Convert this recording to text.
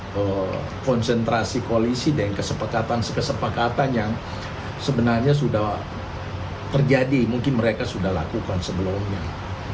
dan konsentrasi koalisi dan kesepakatan sekesepakatan yang sebenarnya sudah terjadi mungkin mereka sudah lakukan sebelumnya